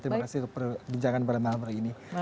terima kasih untuk perbincangan pada malam hari ini